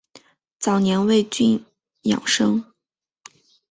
早年为郡庠生。